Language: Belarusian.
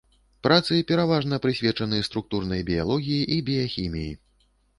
Працы пераважна прысвечаны структурнай біялогіі і біяхіміі.